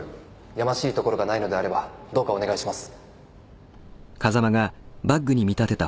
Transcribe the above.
やましいところがないのであればどうかお願いします。